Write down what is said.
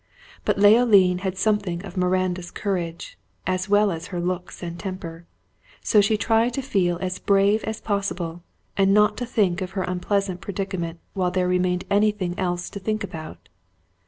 But Leoline had something of Miranda's courage, as well as her looks and temper; so she tried to feel as brave as possible, and not think of her unpleasant predicament while there remained anything else to think about.